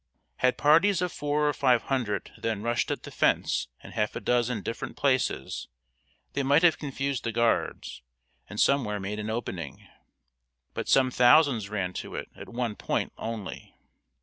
Had parties of four or five hundred then rushed at the fence in half a dozen different places, they might have confused the guards, and somewhere made an opening. But some thousands ran to it at one point only.